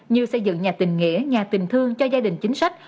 như xây dựng nhà tình nghĩa nhà tình thương cho gia đình chính sách